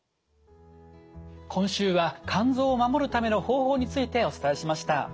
今週は肝臓を守るための方法についてお伝えしました。